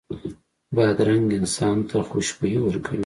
بادرنګ انسان ته خوشبويي ورکوي.